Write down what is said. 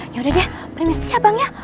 ya udah deh permisi ya bang ya